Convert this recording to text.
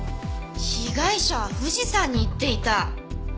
被害者は富士山に行っていた？